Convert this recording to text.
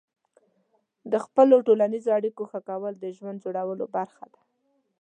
د خپلو ټولنیزو اړیکو ښه کول د ژوند جوړولو برخه ده.